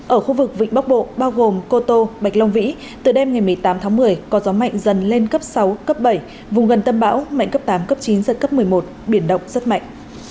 ở khu vực vịnh bắc bộ bao gồm cô tô bạch long vĩ từ đêm ngày một mươi tám tháng một mươi có gió mạnh dần lên cấp sáu cấp bảy vùng gần tâm bão mạnh cấp tám cấp chín giật cấp một mươi một biển động rất mạnh